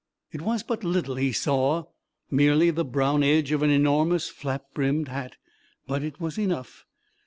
It was but little he saw, merely the brown edge of an enormous flap brimmed hat, but it was enough.